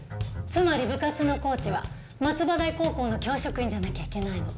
つまり部活のコーチは松葉台高校の教職員じゃなきゃいけないの。